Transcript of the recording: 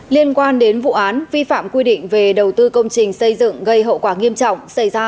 liên quan đến vụ án vi phạm quy định về đầu tư công trình xây dựng gây hậu quả nghiêm trọng xảy ra